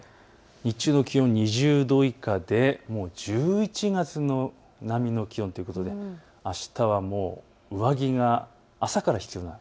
日中の気温２０度以下で１１月並みの気温であしたは上着が朝から必要です。